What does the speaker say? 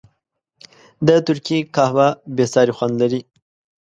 د ترکي قهوه بېساری خوند لري.